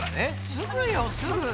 すぐよすぐ。